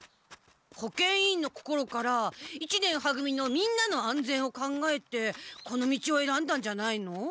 保健委員の心から一年は組のみんなの安全を考えてこの道をえらんだんじゃないの？